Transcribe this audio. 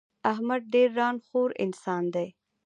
احمد ډېر ًران خور انسان دی.